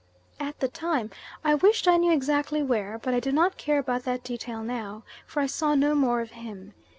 At the time I wished I knew exactly where, but I do not care about that detail now, for I saw no more of him.